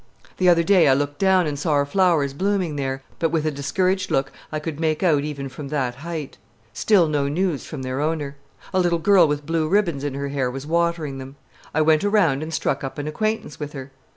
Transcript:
The other day I looked down and saw our flowers blooming there, but with a discouraged look I could make out even from that height. Still no news from their owner. A little girl with blue ribbons in her hair was watering them. I went around and struck up an acquaintance with her.